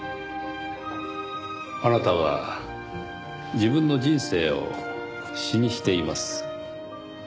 あなたは自分の人生を詩にしています。